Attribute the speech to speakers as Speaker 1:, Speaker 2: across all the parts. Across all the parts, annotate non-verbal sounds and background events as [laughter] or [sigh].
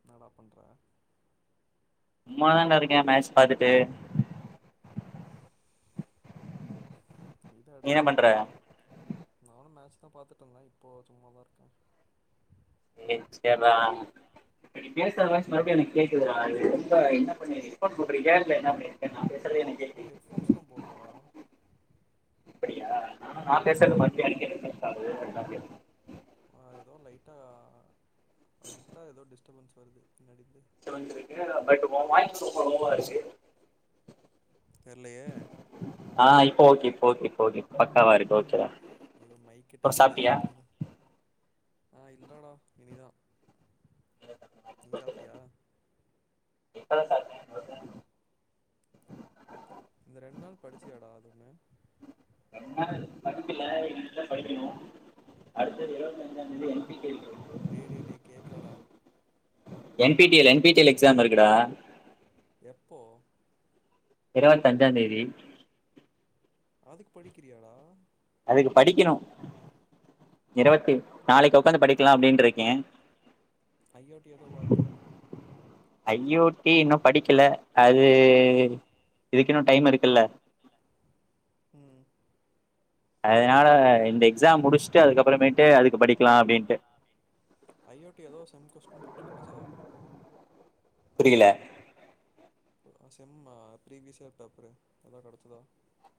Speaker 1: என்னடா பண்ற.
Speaker 2: சும்மாதாடா இருக்கே மேட்ச் பாத்துட்டு.
Speaker 1: ம் இத
Speaker 2: நீ என்ன பண்ற
Speaker 1: எடுத்துருவாங்களா. நீ என்ன பண்ற. நானு மேட்சாதா பாத்துட்டு இருந்தே இப்போ சும்மாதா இருக்கே.
Speaker 2: டேய் சேர்றா நீ பேசுற வாய்ஸ் மறுபடியு எனக்கு கேக்குதுடா இது ரொம்ப என்ன பண்ணி ரெக்கார்ட் போட்றிக்கியா இல்ல என்ன பண்ணிருக்க நா பேஸ்
Speaker 1: நா ஹெட்ஃபோன்ஸ்லா போட்லடா.
Speaker 2: அப்படியா ஆ
Speaker 1: [inaudible] லயிட்டா ஏதோ டிஸ்டர்பன்ஸ் வருது பின்னாடி இருந்து
Speaker 2: [unintelligible]
Speaker 1: தெரியலையே
Speaker 2: ஆஹ் இப்போ ஓகே இப்ப ஓகே பக்காவா இருகே ஓக் சேரிடா
Speaker 1: இப்ப மைக் கிட்ட வச்சு பேசிட்டு இருந்த. ஆ, இல்லடா இனிதா நீ சாப்ட்டியா
Speaker 2: [unintelligible]
Speaker 1: இந்த ரெண்டு நாள் படிச்சியாடா அது
Speaker 2: என்ன படிக்கல இனிமேல்தா அடுத்தது இருபத்தஜ்ஜா தேதி எம் பி கே
Speaker 1: டேய்டேய் டே கேக்கலடா
Speaker 2: N P T L N P T L exam இருக்குடா
Speaker 1: எப்போ
Speaker 2: இருவத்தஞ்சாந்தேதி
Speaker 1: அதுக்கு படிக்கிறியாடா
Speaker 2: அதுக்கு படிக்கணும் இருபத்தி நாளைக்கு உக்காந்து படிக்கலா அப்டினு இருக்கே.
Speaker 1: ஐஓடி ஏதோ பார்த்தியா
Speaker 2: ஐயோ ஏ இன்னும் படிக்கல அது இதுக்கு இன்னும் டைம் இருக்குல்ல
Speaker 1: உம்
Speaker 2: அதனால இந்த எக்ஸாம் முடுஸ்ட்டு அதுக்கப்புறமேட்டு அதுக்கு படிக்கலாம் அப்படின்ட்டு
Speaker 1: ஐஓடி ஏதோ செம் [unintelligible]
Speaker 2: புரியல
Speaker 1: செம்மா பீரிவியஸ் பேப்பரு ஏதாவது கடச்சுதா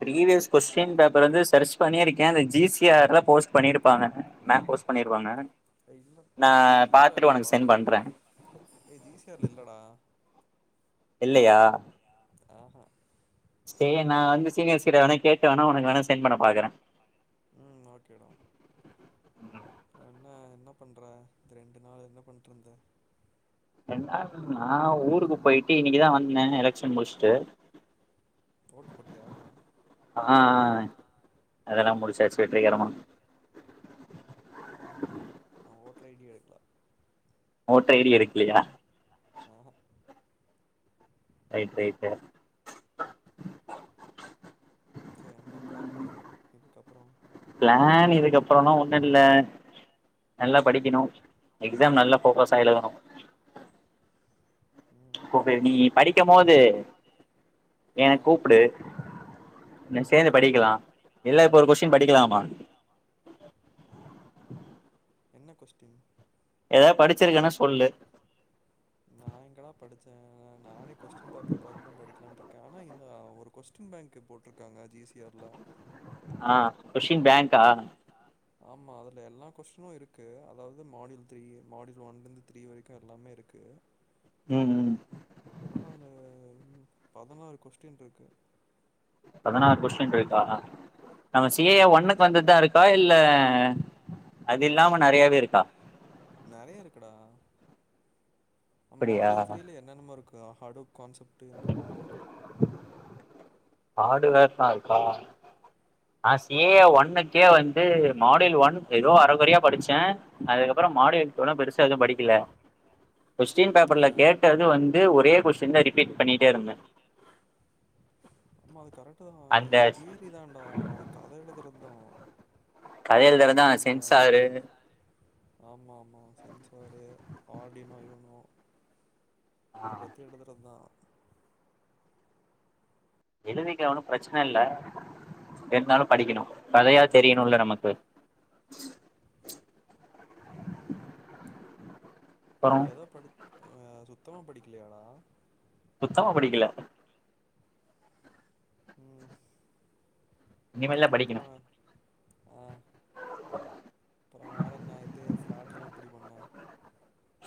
Speaker 2: பீரிவியஸ் கொஸ்டின் பேர் வந்து சர்ச் பண்ணிருக்கேன் அது ஜி சிஆர் போஸ்ட் பண்ணி மேம் போஸ்ட் பண்ணிருவாங்க
Speaker 1: இல்ல
Speaker 2: நான்
Speaker 1: இல்ல
Speaker 2: பார்த்துட்டு
Speaker 1: இல்ல
Speaker 2: உனக்கு செண்ட்
Speaker 1: பாத்துட்டே
Speaker 2: பண்றேன்
Speaker 1: ஏ ஜி சி ஆர்ல இல்லடா
Speaker 2: இல்லையா
Speaker 1: ஆஹா
Speaker 2: சேரி நா வந்து சீனியர்ஸ்கிட்ட வேணா கேட்டு வேணா உனக்கு வேணா சென்ட் பண்ண பாக்குறே
Speaker 1: உம் ஓகேடா. என்ன என்ன பண்ற இந்த ரெண்டு நாள் என்ன பண்றது
Speaker 2: நான் ஊருக்கு போயிட்டு இன்னைக்குதான் வந்தேன் எலெக்க்ஷன் முடிச்சுட்டு
Speaker 1: ஓட்டு போட்டியா
Speaker 2: ஆ அதெல்லாம் முடிசாச்சு வெற்றிகரமா
Speaker 1: ஆ [unintelligible]
Speaker 2: ஓட்டய்டி எடுக்கலையா
Speaker 1: ஆஹஹ [inaudible]
Speaker 2: ரைட் ரைட்டு
Speaker 1: சரி என்ன பிளானு இதுக்கப்புறோ
Speaker 2: பிளான் இதுக்கப்புறம்லா ஒண்ணுமில்ல, நல்லா படிக்கணும். எக்ஸாம் நல்ல ஃபோக்கஸா எழுதனு
Speaker 1: ம்
Speaker 2: கோ பே நீ படிக்கும் போது என
Speaker 1: ஆ
Speaker 2: கூப்டு ந சேந்து
Speaker 1: ஓகே
Speaker 2: படிக்கலா இல்ல இப்ப ஒரு கொஸ்ஸின் படிக்கலாமா?
Speaker 1: என்ன கொஸ்டின்?
Speaker 2: எதாது படிச்சிருக்கனா சொல்லு
Speaker 1: நா எங்கடா படிச்சே நானே கொஸ்டின் பேப்பர் பாத்துதா படிக்கலான்ட்ருக்க ஆனா ஏ ஒரு கொஸ்டின் பேங்க்கு போட்ருக்காங்க ஜி சி ஆர்ல
Speaker 2: ஆஹ் கொஷின் பேங்க்கா?
Speaker 1: ஆமா அதுல எல்லா கொஸ்ஸினு இருக்கு அதாவது மாடியுல் த்ரீ மாடியுல் ஒன்லெருந்து த்ரீ வரைக்கும் எல்லாமே இருக்கு
Speaker 2: ம் உம்
Speaker 1: உம் பதினாறு கொஸ்டின்ருக்கு
Speaker 2: பதனாறு கொஸ்டின் இருக்கா? நம்ம சி ஏ எ
Speaker 1: ஆமா
Speaker 2: ஒன்னுக்கு வந்ததுதா இருக்கா இல்ல அது இல்லாம நறையாவே இருக்கா?
Speaker 1: நறையா இருக்குடா
Speaker 2: அப்படியா
Speaker 1: மாட்யூல் த்ரில என்னென்னமோ இருக்கு. அ ஹாடுப் கான்செப்ட்டு என்னென்னமோ இருக்கு.
Speaker 2: ஹாட்வேர் தா இருக்கா? ஆஸ் ஏ ஒன்னுக்கே வந்து மாடியுல் ஒன் எதோ அரகொறையா படிச்சே அதுக்கப்பற மாடுயுல் இவ்ள பெருசா இருக்குனு படிக்கில. கொஸ்டின்
Speaker 1: ஆ
Speaker 2: பேப்பர்ல கேட்டது வந்து ஒரே கொஷ்டின்தா ரிபீட் பண்ணி இருந்த
Speaker 1: அ கரண் தா இது தியரிதான்டா கத எழுதுறது தா
Speaker 2: கதை எழுதுறதா
Speaker 1: ஆனா அந்த
Speaker 2: சென்சாரு
Speaker 1: சென்சாரு ஆமா ஆமா சென்சாரு ஆடினோ யூனோ.
Speaker 2: ஆ
Speaker 1: அத பத்தி எலுதுறது தா
Speaker 2: எழுதிக்க ஒன்னு பிரச்சன இல்ல இருந்தாலு படிக்கணு. கதையாது
Speaker 1: வேணு அதுக்கு
Speaker 2: தெரியணுல நமக்கு அப்புறோ
Speaker 1: நீ ஏதோ படி ஆ சுத்தமா படிக்கலையாடா?
Speaker 2: சுத்தமா படிக்கல
Speaker 1: ம்
Speaker 2: இனிமேயில்ல
Speaker 1: அப்றோ
Speaker 2: படிக்கணு
Speaker 1: ஆ அப்ரோ வேற என்ன இது ஃபிளாட்ல்லா அப்டி பண்ண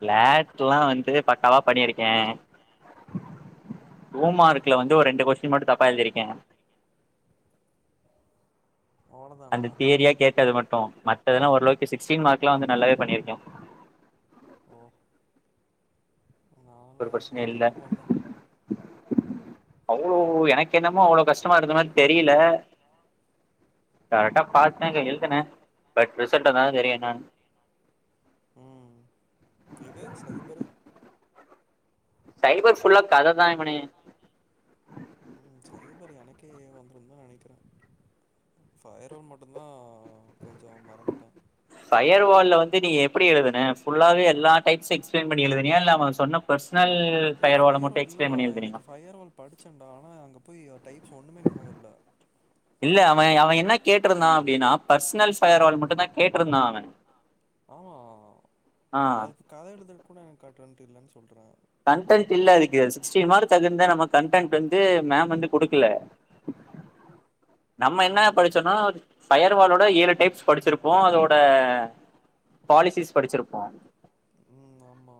Speaker 2: பிளாட்ல்லாம் வந்து பக்காவா பண்ணியிருக்கேன் டூ
Speaker 1: ஆ
Speaker 2: மார்க்ல வந்து ஒரு ரெண்டு கொஸ்டின் மட்டும் தப்பா எழுதிருக்கேன்
Speaker 1: அவ்ளோதானா
Speaker 2: அந்த தியரியா கேட்டது மட்டும் மத்ததெல்லா ஓரளவுக்கு சி-சிக்ஸ்டீன் மார்க் க்லாம் வந்து நல்லாவே பண்ணிருக்கேன்
Speaker 1: ஓ நான்லா
Speaker 2: ஒரு பிரச்ன
Speaker 1: ஆவரேஜா
Speaker 2: இல்ல
Speaker 1: தா பண்ணே
Speaker 2: அவ்ளோ எனக் என்னமோ அவ்வளவு கஷ்டமா இருந்த மாதிரி தெரியல கரெக்டா பார்த்தேன் இங்கு எழுதுன பட் ரிசல்ட் வந்தாதா தெரியு என்னனு
Speaker 1: ம் இது சைபரு
Speaker 2: சைபர் ஃபுல்லாத் கத தாங்மணி
Speaker 1: தீ வந்துரு தான் நினைக்கிறேன் ஃபையர் ரோல் மட்டுந்தான்
Speaker 2: ஃபையர் வால்ல வந்து நீ எப்படி எழுதுன ஃபுல்லாவே எல்லா சைட்ஸ் எக்ஸ்பிளைன் பண்ணி எழுதுனியா இல்ல அவன் சொன்ன பெர்சனல்
Speaker 1: ஏ
Speaker 2: ஃபயர்வால
Speaker 1: ஃபயர்
Speaker 2: மட்டும்
Speaker 1: வால்
Speaker 2: எக்ஸ்பிளைன்
Speaker 1: இல்லடா
Speaker 2: பண்ணி எழுதுனியா
Speaker 1: பொய்யா டைப் சொ ஒண்ணுமே [unintelligible]
Speaker 2: மா அவன் என்ன கேட்டிருந்தான் அப்படின்னா பர்சனல் ஃபயர்வால் மட்டும் தான் கேட்டிருந்தான் அவன்
Speaker 1: ஆமா அதுக்கு கதை எழுத்துட்டு கூட எனக்கு காட்டுற திர்லஞ்ஜ்
Speaker 2: கன்டென்ட் இல்ல அதுக்கு சிக்ஸ்டின் மார்க் அதிருந்த நம்ம கன்டென்ட் வந்து மேம் வந்து கொடுக்கல [inaudible] நம்ம என்ன
Speaker 1: ம்
Speaker 2: படிச்சொன்னா ஃபயர்வாலோட ஏழு டைப்ஸ் படிச்சிருப்போம் அதோட பாலிசிஸ் படிச்சிருப்போம்
Speaker 1: ம் ஆமா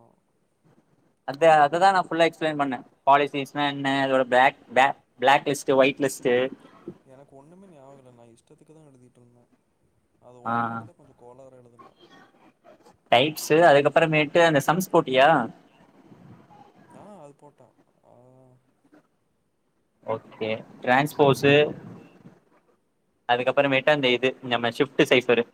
Speaker 2: அத்த அததான் நான் ஃபுல்லா எக்ஸ்பிளைன் பண்ண பாலிசிஸ்னா என்ன அதோட block [unintelligible] block list white list
Speaker 1: எனக்கு ஒன்றுமே ஞாபகம் இல்லை நான் இஷ்டத்துக்கு தான் எழுதிட்டு இருந்தேன் அது ஒன்று
Speaker 2: ஆஹ்
Speaker 1: மட்டும் தான் கொஞ்சம் கோளாறு எழுதினேன்
Speaker 2: டைப்ஸ் அதுக்கப்புறமேட்டு அந்த சம்ஸ் போட்டியா
Speaker 1: ஆ அது போட்டான் ஆ அது
Speaker 2: ஓகே
Speaker 1: என்னது
Speaker 2: டிரான்ஸ்போசு அதுக்கப்புறமேட்டு அந்த இது நம்ம ஷிப்ட் சைஃபரு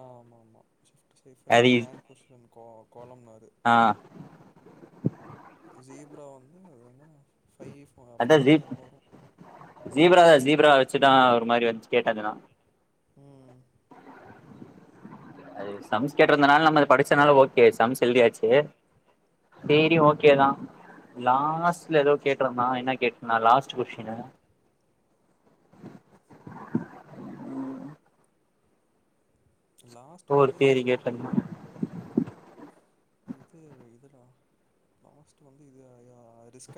Speaker 1: ஆ ஆமா மா [unintelligible]
Speaker 2: அது
Speaker 1: டிரான்சிப்டியன் கோல மாதிரி [inaudible]
Speaker 2: ஆ
Speaker 1: [unintelligible] வந்து ஃபை [unintelligible] ஃபை
Speaker 2: அதான் ஜீப்
Speaker 1: எங்க வரும்
Speaker 2: ஜீப்ரா ஜீப்ரா வச்சுதான் ஒரு மாதிரி வந்துச்சு கேட்டேது நா
Speaker 1: ம்
Speaker 2: அது சம்ஸ் கேட்ருந்தனால நம்ம அத படிச்சதுனால ஓகே சம்ஸ் எழுதியாச்சு சேரி
Speaker 1: ஆமாம்
Speaker 2: ஓகேதான் லாஸ்ட்ல ஏதோ கேக்கணுமா என்ன கேக்கணு நா லாஸ்ட்டு கொஷ்ஷினு ம்
Speaker 1: லாஸ்ட்டு வந்து
Speaker 2: தியரி கேட்டிருந்தா
Speaker 1: என்னது இது இதுரா லாஸ்ட்டு வந்து இது யா ரிஸ்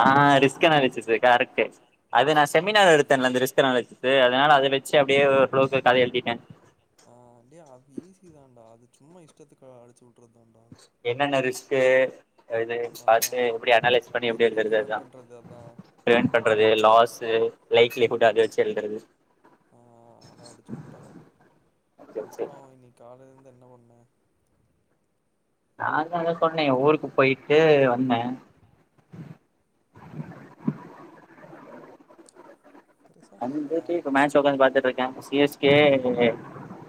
Speaker 2: ஹான் ரிஸ்க் அனாலிசிஸ் கரெக்ட்டு அது நான்
Speaker 1: அதா
Speaker 2: செமினார்
Speaker 1: நா
Speaker 2: எடுத்தேன்ல
Speaker 1: லூசு
Speaker 2: அந்த ரிஸ்க் அனாலிசிஸ் அதனால அது வெச்சு அப்டியே க்ளோசா கத எழுதிட்டே
Speaker 1: ஆ டே அது ஈஸி தான்டா அது சும்மா இஷ்டத்துக்கு அடிச்சி உட்றது தா
Speaker 2: என்னென்ன ரிஸ்க்கு [unintelligible]
Speaker 1: அதா
Speaker 2: பாத்து எப்டி அனலைஸ் பண்ணி எப்டி இருக்குறது
Speaker 1: ப்ரிவென்ட்
Speaker 2: அதா
Speaker 1: பண்றது அதா
Speaker 2: ப்ரிவென்ட் பண்றது லாஸ்சு [unintelligible] குட் ஹபிட்ஸ் கேள்ரது
Speaker 1: ஹான் அதான் அடிச்சு வுட்டன் அப்பறம் இன்னிக்கி காலையிலந் என்ன பண்ண
Speaker 2: நான் தான் சொன்னேன் ஊருக்கு போய்ட்டு வந்தேன்
Speaker 1: பெருசா
Speaker 2: [unintelligible]
Speaker 1: சொல்றா
Speaker 2: மேட்ச் உக்காந்து பார்த்துட்டு இருக்கன் சிஎஸ்கே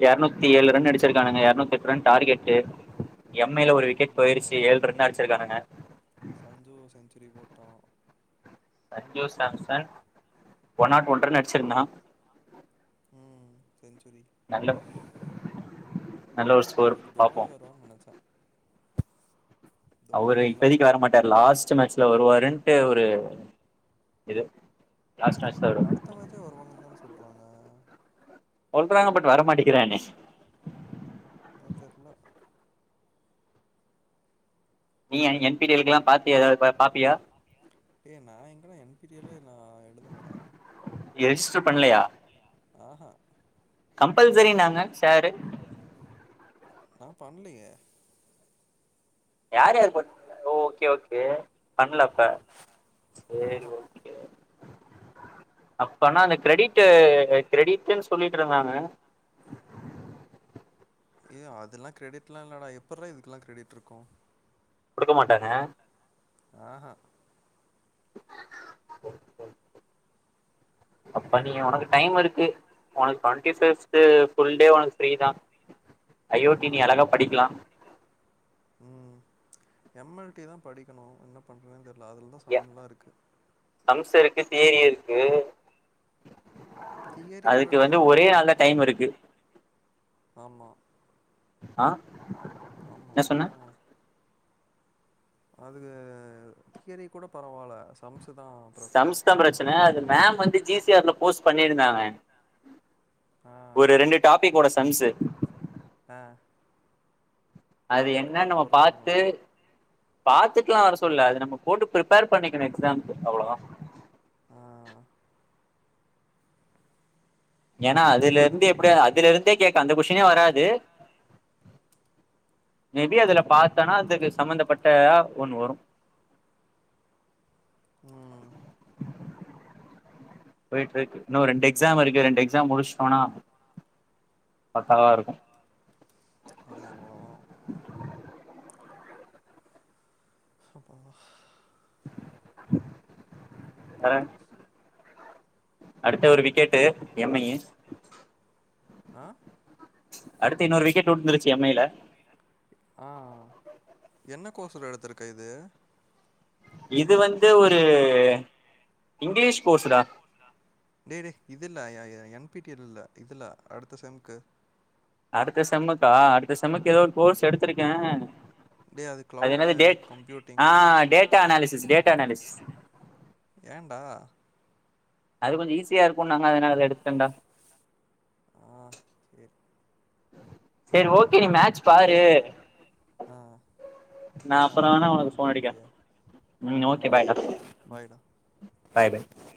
Speaker 2: எர்நூத்தி ஏழு ரன்னு அடிச்சிருக்கானுங்க எர்நூத்தெட் ரன் டார்கெட்டு எம்மேல ஒரு விக்கெட்
Speaker 1: ஆமா
Speaker 2: போயிருச்சி ஏழ் ரன் அடிச்சிருக்கானுங்க
Speaker 1: ரி போட்டா
Speaker 2: Sanju Samsung one not one run அடிச்சிர்ந்தா
Speaker 1: உஹ்ம்ம் செஞ்சுரி
Speaker 2: நல்ல நல்ல ஒரு
Speaker 1: ஆனா நா
Speaker 2: ஸ்கோர்
Speaker 1: இன்னிக்கு
Speaker 2: பாப்போ
Speaker 1: தோனி வருவார்னு நெனச்ச
Speaker 2: அவுரு
Speaker 1: வரல
Speaker 2: இப்பதிக்கு வர மாட்டார் லாஸ்ட் மேட்ச்ல வருவாருன்ட்டு ஒரு இது லாஸ்ட் மேட்ச்ல வருவாரு
Speaker 1: அடுத்த மேட்ச்சே வருவாங்கன்தான் சொல்றாங்க
Speaker 2: சொல்றாங்க பட் வரமாட்டிங்கிறானே
Speaker 1: அதா தெர்ல
Speaker 2: நீ [unintelligible] பிடியல்கல பாத்தியா எதாவது ப - பாப்பியா
Speaker 1: டே நா எங்கடா என் பி டி எல் ல நா எழுதலடா
Speaker 2: எஸ்சு பண்லையா
Speaker 1: ஆஹா
Speaker 2: சாரு
Speaker 1: நா பண்லையே
Speaker 2: யார் யார் [unintelligible] ஓகே ஓகே பண்லப்ப சேரி
Speaker 1: ஆஹா
Speaker 2: ஓகே அப்பனா அந்த கிரெடிட்டு கிரெடிட்ன் சொல்லிட்டிருந்தாங்க
Speaker 1: ஏய் அதெல்லா கிரெடிட்லா இல்லடா எப்பற்றா இதுக்கெல்லா கிரெடிட் இருக்கு
Speaker 2: குடுக்க மாட்டாங்க
Speaker 1: ஹ ஹ
Speaker 2: அப்ப நீ உனக்கு டைம் இருக்கு உனக்கு டொவெண்ட்டி ஃபிப்த்து ஃபுல் டே உனக்கு ஃபிரீ தா
Speaker 1: ம்
Speaker 2: அயோட்டி நீ
Speaker 1: ஆமா
Speaker 2: அழகா படிக்கலா
Speaker 1: ம் எம் எல் டி தா படிக்கணு என்ன பண்றே தெ
Speaker 2: ய சம்ஸ் இருக்கு தியரி இருக்கு.
Speaker 1: தியரி கூட
Speaker 2: அதுக்கு வந்து
Speaker 1: எழுதிர்லான்டா
Speaker 2: ஒரே நாள்தா
Speaker 1: சம்ஸு தா
Speaker 2: டைம் இருக்கு.
Speaker 1: ஆமா.
Speaker 2: ஆ
Speaker 1: ஆமா
Speaker 2: என்ன சொன்ன
Speaker 1: அதா அதுக்கு கீரைய கூட பரவால்ல சம்ஸ்
Speaker 2: சம்ஸ்தா பிரச்சன அது மேம் வந்து ஜி சி ஆர் ல போஸ்ட் பண்ணிருந்தாங்க
Speaker 1: ஆ
Speaker 2: ஒரு ரெண்டு டாபிகோட சன்ஸ்சு
Speaker 1: ஆ
Speaker 2: அது
Speaker 1: மட்டு
Speaker 2: என்னனு நம்ம
Speaker 1: பாத்துட்டு வர
Speaker 2: பாத்து
Speaker 1: சொன்னாங்களா
Speaker 2: பாத்துட் ட்டு வர சொல்லல அது நம்ம போட்டு பிரிப்பேர் பண்ணிக்கணு எக்ஸாம்க்கு அவ்ளோதா.
Speaker 1: ஆஹ
Speaker 2: ஏன்னா அதுலிருந்து எப்டி அதுல இருந்தே கேக்க அந்த கொஷனே வராது மேபி அதுல பாத்தானா அதுக்கு சம்பந்தப்பட்டதா ஒண்ணு வரு
Speaker 1: உம்
Speaker 2: போயிட்டு இருக்கு இன்னு ரெண்டு எக்ஸாம் இருக்கு ரெண்டு எக்ஸாம் முடிச்ட்டோனா பக்காவ இருக்கு.
Speaker 1: ஆமா அவ்ளோதா. ஹப்பா
Speaker 2: வே அடுத்த ஒரு விக்கெட்டு எம் ஐயி
Speaker 1: ஆ
Speaker 2: அடுத்து இன்னொரு விக்கெட் விழுந்துருச்சு எம் ஐ ல
Speaker 1: ஆ என்ன கோர்ஸ்டா எடுத்துருக்க இது
Speaker 2: இது வந்து ஒரு இங்கிலீஷ் கோர்ஸ்டா
Speaker 1: டே டே இது இல்ல எ-எ-என் பி டி இல்ல இதுல்ல அடுத்த செம்க்கு
Speaker 2: அடுத்த செம்முக்கா அடுத்த செம்முக்கு ஏதோ ஒரு கோர்ஸ் எடுத்திருக்கே
Speaker 1: டேய்
Speaker 2: அது
Speaker 1: கிளவுட் க
Speaker 2: என்னது டேட் ஆ
Speaker 1: computing
Speaker 2: data analysis data analysis.
Speaker 1: ஏன்டா
Speaker 2: அது கொஞ்ச ஈஸியா இருக்குன்னாங்க அதனாலதா எடுத்துட்டண்டா
Speaker 1: ஆஹ சேரி
Speaker 2: சரி ஓக்
Speaker 1: ஓகே டேய் மேட்ச் பாரு ஆ
Speaker 2: நான்
Speaker 1: நானு
Speaker 2: அப்புறம் வேணா
Speaker 1: கட்
Speaker 2: உனக்கு
Speaker 1: பண்றே
Speaker 2: ஃபோன் அடிக்கிறேன்
Speaker 1: அப்டியே ம் [unintelligible] ஓகே பாய்டா.
Speaker 2: Bye bye
Speaker 1: okay